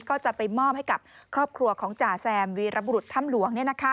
ก็จะไปมอบให้กับครอบครัวของจ่าแซมวีรบุรุษถ้ำหลวง